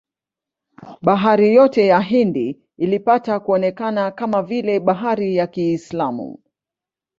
Bahari yote ya Hindi ilipata kuonekana kama vile bahari ya Kiislamu.